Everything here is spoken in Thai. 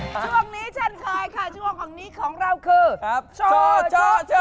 ช่วงนี้เช่นเคยค่ะช่วงของนี้ของเราคือโชว์